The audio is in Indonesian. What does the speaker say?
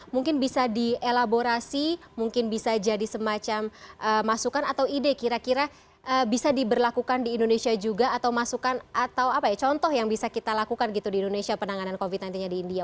mungkin bisa dielaborasi mungkin bisa jadi semacam masukan atau ide kira kira bisa diberlakukan di indonesia juga atau masukan atau apa ya contoh yang bisa kita lakukan gitu di indonesia penanganan covid sembilan belas nya di india